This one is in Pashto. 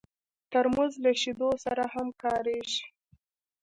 ترموز له شیدو سره هم کارېږي.